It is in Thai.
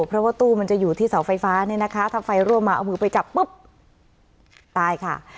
เพราะว่าตู้มันจะอยู่ที่เสาไฟฟ้าเนี่ยนะคะถ้าไฟรั่วมาเอามือไปจับปุ๊บตายค่ะ